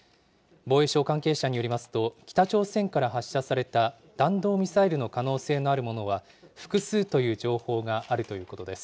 防衛省関係者によりますと、北朝鮮から発射された弾道ミサイルの可能性のあるものは、複数という情報があるということです。